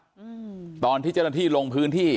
อืมตอนที่เจ้าหน้าที่ลงพื้นที่